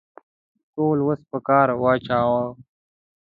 ټول وس په کار واچاوه.